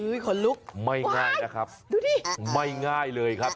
เฮ้ยคนลุกว้ายดูที่ไม่ง่ายนะครับ